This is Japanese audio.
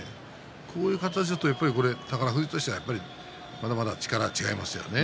こういう形だとやっぱり宝富士としてはまだまだ力が違いますよね。